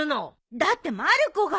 だってまる子が。